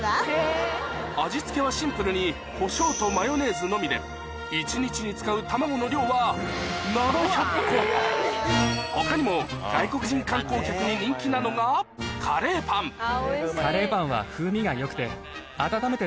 味付けはシンプルにコショウとマヨネーズのみで一日に使う卵の量は他にも外国人観光客に人気なのがから大好きなんだ。